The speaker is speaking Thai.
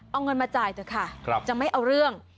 เอาเงินมาจ่ายเถอะค่ะจะไม่เอาเรื่อง